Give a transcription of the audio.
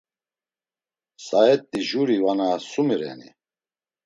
Saat̆i juri vana sumi reni?